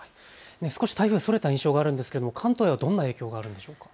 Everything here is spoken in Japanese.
少し台風、それた対象があるんですけど関東にはどんな影響があるんでしょうか。